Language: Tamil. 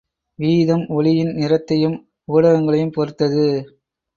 வீதம் ஒளியின் நிறத்தையும் ஊடகங்களையும் பொறுத்தது.